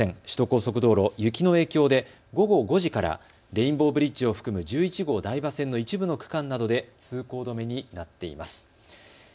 首都高速道路、雪の影響で午後５時からレインボーブリッジを含む１１号台場線の一部の区間などで通行止めになっています。